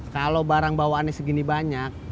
kalau barang bawaannya segini banyak